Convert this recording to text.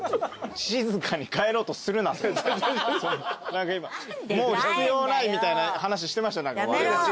何かもう必要ないみたいな話してました？